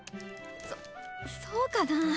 そそうかな？